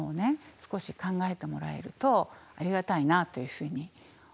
少し考えてもらえるとありがたいなというふうに思っています。